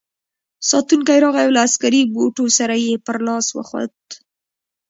ساتونکی راغی او له عسکري بوټو سره یې پر لاس وخوت.